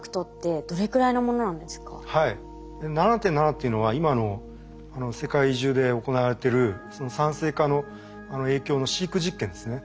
７．７っていうのは今の世界中で行われてる酸性化の影響の飼育実験ですね